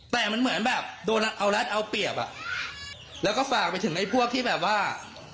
แต่มันเหมือนแบบโดนเอารัดเอาเปรียบอ่ะแล้วก็ฝากไปถึงไอ้พวกที่แบบว่า